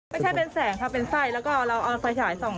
ไม่ใช่เป็นแสงค่ะเป็นไส้แล้วก็เราเอาไฟฉายส่อง